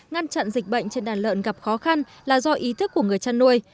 ngăn chặn dịch bệnh trên đàn lợn gặp khó khăn là do ý thức của người chăn nuôi